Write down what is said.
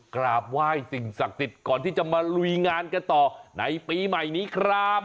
กราบไหว้สิ่งศักดิ์สิทธิ์ก่อนที่จะมาลุยงานกันต่อในปีใหม่นี้ครับ